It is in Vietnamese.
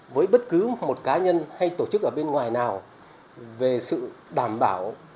với bất cứ một cá nhân hay tổ chức ở bên ngoài nào về sự đảm bảo